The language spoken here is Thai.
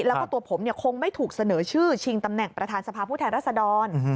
แล้วก็ตัวผมคงไม่ถูกเสนอชื่อชิงตำแหน่งประธานสภาพผู้แทนรัศดร